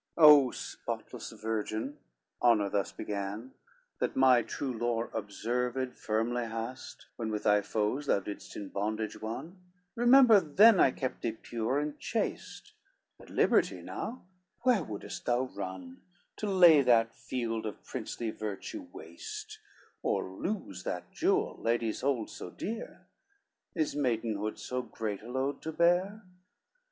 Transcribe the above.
LXXI "O spotless virgin," Honor thus begun, "That my true lore observed firmly hast, When with thy foes thou didst in bondage won, Remember then I kept thee pure and chaste, At liberty now, where wouldest thou run, To lay that field of princely virtue waste, Or lose that jewel ladies hold so dear? Is maidenhood so great a load to bear?